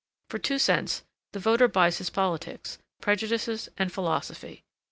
For two cents the voter buys his politics, prejudices, and philosophy.